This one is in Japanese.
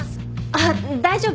あっ大丈夫。